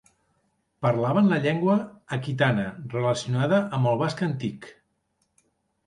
Parlaven la llengua aquitana, relacionada amb el basc antic.